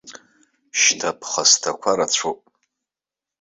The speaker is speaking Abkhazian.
Шьҭа аԥхасҭақәа рацәоуп!